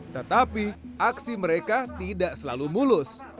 tetapi aksi mereka tidak selalu mulus